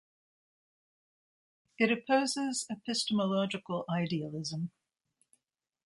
It opposes epistemological idealism.